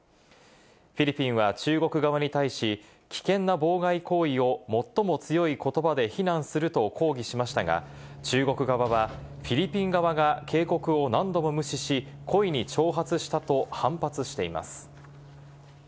フィリピンは中国側に対し、危険な妨害行為を最も強い言葉で非難すると抗議しましたが、中国側はフィリピン側が警告を何度も無視し、故意に挑発したと反発しています。